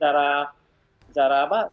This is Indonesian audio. saya sudah membantu